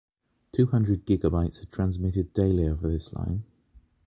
Two hundred gigabytes are transmitted daily over this line.